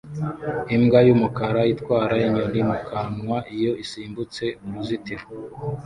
Imbwa y'umukara itwara inyoni mu kanwa iyo isimbutse uruzitiro